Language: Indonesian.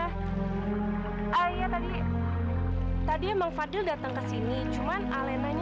ah iya tadi tadi emang fadil datang ke sini cuman alenanya